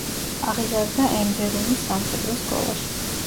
აღიზარდა ენდერუნის სამხედრო სკოლაში.